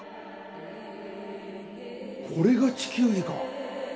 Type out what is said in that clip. ・これが地球儀か。